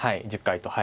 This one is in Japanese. １０回と。